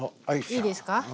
いいですか？